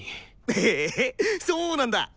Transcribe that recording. へえそうなんだ！